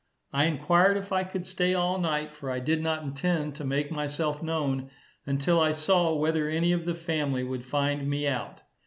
I enquired if I could stay all night, for I did not intend to make myself known, until I saw whether any of the family would find me out.